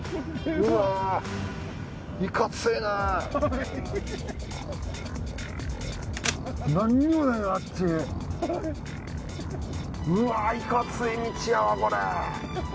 うわぁ厳つい道やわこれ。